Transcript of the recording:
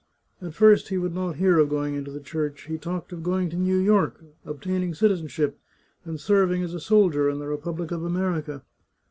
At first he would not hear of going into the Church. He talked of going to New York, obtaining citizenship, and serving as a soldier in the republic of America.